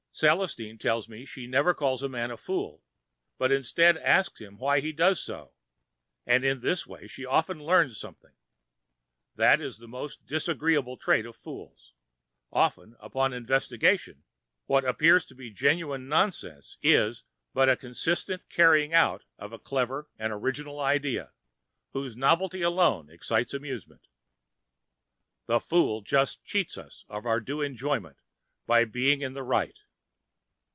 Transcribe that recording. Celestine tells me she never calls a man a fool, but instead asks him why he does so, and in this way she often learns something. That is the most disagreeable trait of fools; often, upon investigation, what appears to be genuine nonsense is but the consistent carrying out of a clever and original idea, whose novelty alone excites amusement. The fool thus cheats us of our due enjoyment by being in the right.